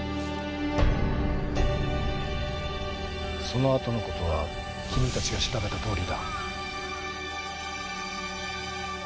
そのあとの事は君たちが調べたとおりだ。